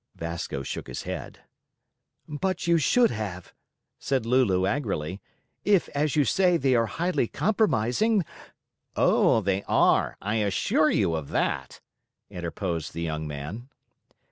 Vasco shook his head. "But you should have," said Lulu angrily; "if, as you say, they are highly compromising—" "Oh, they are, I assure you of that," interposed the young man.